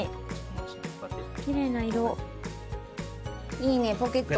いいねポケット。